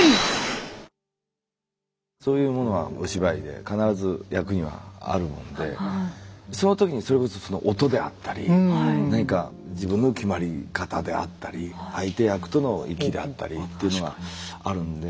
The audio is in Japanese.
そういうものがお芝居で必ず役にはあるもんでその時にそれこそその音であったり何か自分の決まりかたであったり相手役の息であったりっていうのはあるんで。